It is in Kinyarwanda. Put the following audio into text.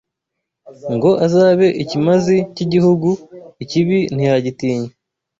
Ngo azabe ikimazi cy’igihugu Ikibi ntiyagitinya